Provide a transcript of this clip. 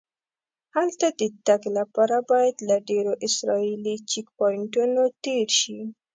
هلته د تګ لپاره باید له ډېرو اسرایلي چیک پواینټونو تېر شې.